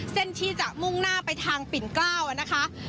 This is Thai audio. เส้นที่จะมุ่งหน้าไปทางปิ่น๙นะคะ